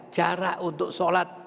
cara untuk sholat